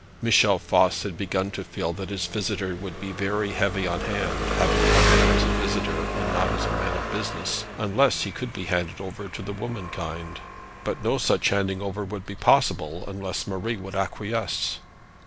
Michel Voss had begun to feel that his visitor would be very heavy on hand, having come there as a visitor and not as a man of business, unless he could be handed over to the woman kind. But no such handing over would be possible, unless Marie would acquiesce.